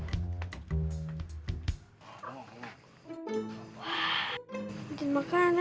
ibu ada hujan makanan